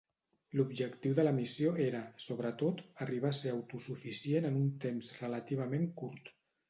L'objectiu de la missió era, sobretot, arribar a ser autosuficient en un temps relativament curt.